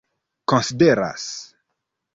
konsideras